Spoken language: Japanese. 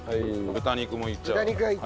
豚肉いっちゃおう。